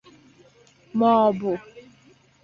m’ọ bụ